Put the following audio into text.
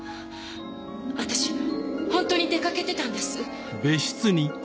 私ほんとに出かけてたんです。